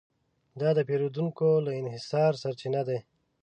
دا د پېریدونکو له انحصار سرچپه دی.